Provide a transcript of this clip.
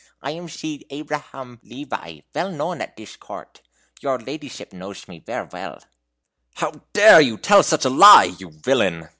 I am de Shew Abraham Levi, vell known at dish court. Your ladyship knowsh me ver' well." "How dare you tell such a lie, you villain?"